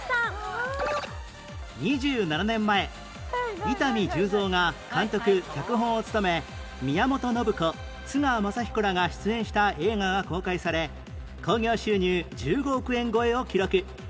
２７年前伊丹十三が監督・脚本を務め宮本信子津川雅彦らが出演した映画が公開され興行収入１５億円超えを記録